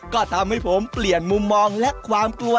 ก็ทำให้ผมเปลี่ยนมุมมองและความกลัว